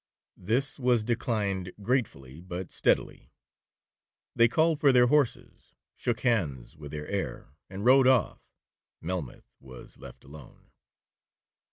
This was declined gratefully, but steadily. They called for their horses, shook hands with the heir, and rode off—Melmoth was left alone.